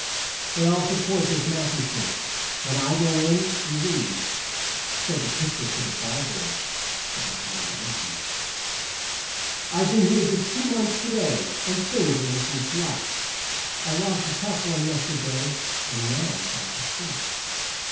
They all support this Mathewson. When I go in we lose!" Said the Pitcher to the Barboy up at Paddy Donahue's. "I've been here just two months to day, and things are looking black; I lost a tough one yesterday, and now I've got the sack.